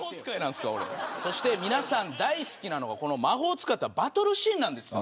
皆さん大好きなのが魔法を使ったバトルシーンなんです。